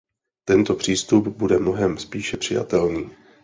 Tento přístup bude mnohem spíše přijatelný.